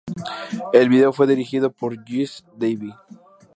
El video fue dirigido por Jesse Davey.